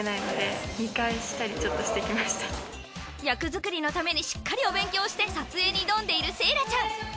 役作りのためにしっかりお勉強して撮影に挑んでいるセイラちゃん。